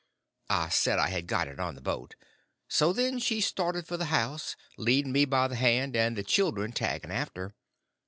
I said I had got it on the boat. So then she started for the house, leading me by the hand, and the children tagging after.